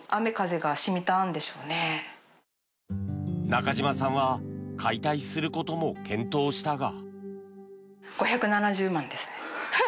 中島さんは解体することも検討したが。